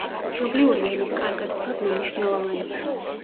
მშობლიური ენის კარგად ცოდნა მნიშვნელოვანია